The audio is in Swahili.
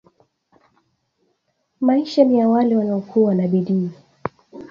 Maisha niya wale wanao kuwa na bidii